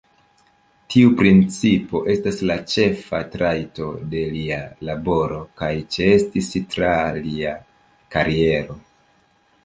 Tiu principo estas la ĉefa trajto de lia laboro kaj ĉeestis tra lia kariero.